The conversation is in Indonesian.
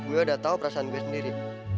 gue udah tahu perasaan gue sendiri